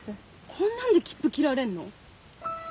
こんなんで切符切られんの？